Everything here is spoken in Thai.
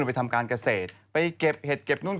ไปทำการเกษตรไปเก็บเห็ดเก็บนู่น